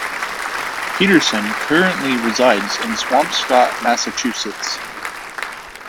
Pederson currently resides in Swampscott, Massachusetts.